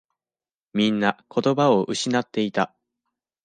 みんな言葉を失っていた。